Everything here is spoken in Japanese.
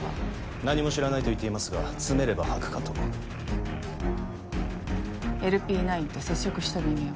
何も知らないと言っていますが詰めれば吐くかとＬＰ９と接触した人間は？